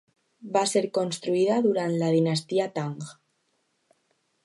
Va ser construïda durant la dinastia Tang.